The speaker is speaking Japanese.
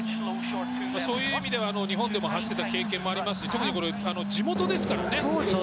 そういう意味では日本でも走っていた経験がありますし特に地元ですからね。